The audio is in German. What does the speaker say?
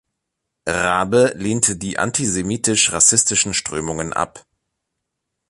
Raabe lehnte die antisemitisch-rassistischen Strömungen ab.